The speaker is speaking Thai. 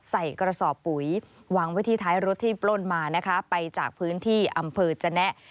ใส่กระสอบปุ๋ยวางไว้ที่ท้ายรถที่ปล้นมานะคะไปจากพื้นที่อำเภอจนะ